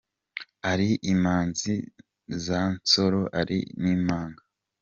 ari Imanzi za Nsoro, ari n’Imanga